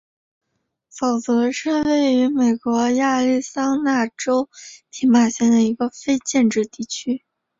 沼泽是位于美国亚利桑那州皮马县的一个非建制地区。